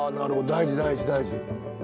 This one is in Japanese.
大事大事大事。